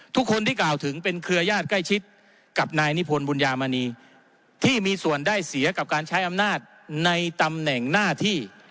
ทุกคนที่กล่าวถึงเป็นเครือญาติใกล้ชิดกับนายนิพนธ์บุญญามณีที่มีส่วนได้เสียกับการใช้อำนาจในตำแหน่งหน้าที่